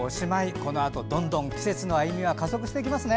このあと、どんどん季節の歩みは加速していきますね。